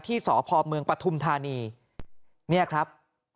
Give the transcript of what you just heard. ที่สพมปธุมธานีเนี่ยครับ